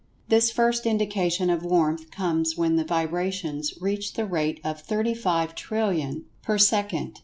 This first indication of warmth comes when the vibrations reach the rate of 35,000,000,000,000 per second.